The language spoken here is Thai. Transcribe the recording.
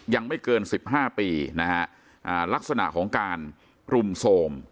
ยังไม่เกิน๑๕ปีนะฮะลักษณะของการรุมโทรม